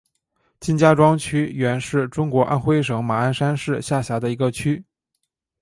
金家庄区原是中国安徽省马鞍山市下辖的一个区。